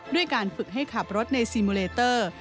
ด้วยการฝึกให้ขับรถในซีมูเลเตอร์